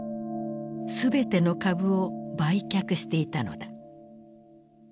全ての株を売却していたのだ。